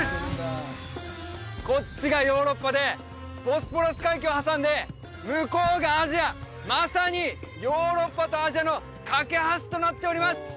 こっちがヨーロッパでボスポラス海峡を挟んで向こうがアジアまさにヨーロッパとアジアの懸け橋となっております